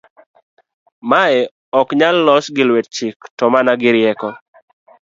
mae ok nyal los gi lwet chik to maka mana gi rieko